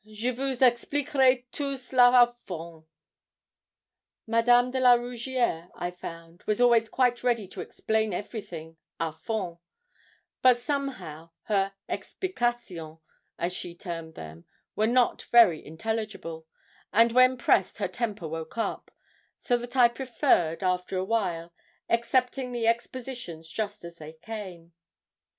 'Je vous expliquerai tout cela à fond.' Madame de la Rougierre, I found, was always quite ready to explain everything 'à fond;' but somehow her 'explications,' as she termed them, were not very intelligible, and when pressed her temper woke up; so that I preferred, after a while, accepting the expositions just as they came.